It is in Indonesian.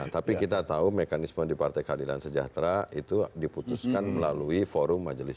tapi kita tahu mekanisme di partai keadilan sejahtera itu diputuskan melalui forum majelis